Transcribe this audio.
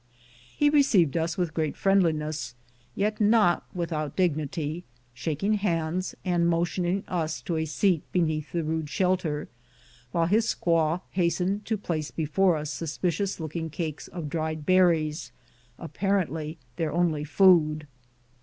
He received us with great friendliness, yet not with out dignity, shaking hands and motioning us to a seat beneath the rude shelter, while his squaw hastened to place before us suspicious looking cakes of dried berries, apparently their only food.